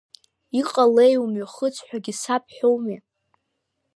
Иҟалеи, умҩахыҵ ҳәагьы сабҳәоумеи!